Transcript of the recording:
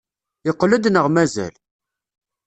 Yeqqel-d neɣ mazal?